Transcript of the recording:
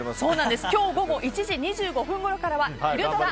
今日午後１時２５分ごろからはひるドラ！